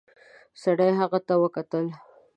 سړي هغې ته وکتل.